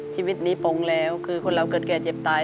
ชีวิตนี้ปงแล้วคือคนเราเกิดแก่เจ็บตาย